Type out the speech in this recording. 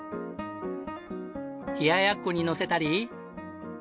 冷ややっこにのせたり。